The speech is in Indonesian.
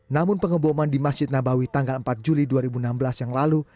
namun pengeboman di masjid nabawi tanggal empat juli dua ribu enam belas yang lalu